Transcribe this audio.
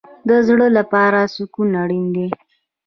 د زړه لپاره سکون اړین دی